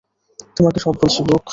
তোমাকে সব বলছি, ব্যুক।